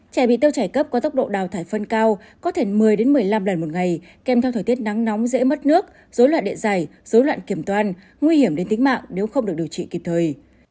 trẻ bị tiêu chảy cấp có tốc độ đào thải phân cao có thể một mươi một mươi năm lần một ngày kèm theo thời tiết nắng nóng dễ mất nước dối loạn đệ giày dối loạn kiểm toán nguy hiểm đến tính mạng nếu không được điều trị kịp thời